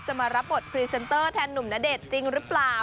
มารับบทพรีเซนเตอร์แทนหนุ่มณเดชน์จริงหรือเปล่า